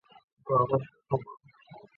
嘉熙是宋理宗赵昀的第四个年号。